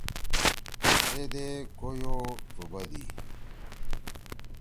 ے دے کویو ڇُوبَدی۔